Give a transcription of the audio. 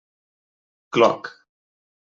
Cloc.